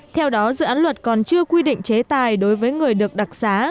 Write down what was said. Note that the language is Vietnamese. theo đó dự án luật còn chưa quy định chế tài đối với người được đặc xá